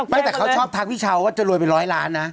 ไม่แต่เขาชอบทักพี่เช้าว่าจะรวยเป็นร้อยล้านนะ